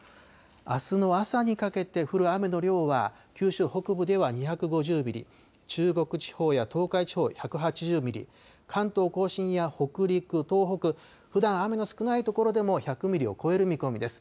あすの朝にかけて降る雨の量は、九州北部では２５０ミリ、中国地方や東海地方１８０ミリ、関東甲信や北陸、東北、ふだん雨の少ない所でも１００ミリを超える見込みです。